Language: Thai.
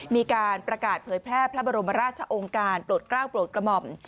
มีการประกาศเผยแพร่พระบรมราชองค์การโปรดกล้าวโปรดกระหม่อม